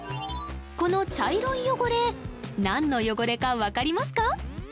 この茶色い汚れ何の汚れか分かりますか？